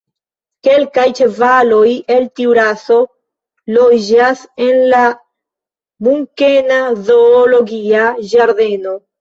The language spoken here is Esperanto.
Kelkaj ĉevaloj el tiu raso loĝas en la munkena zoologia ĝardeno.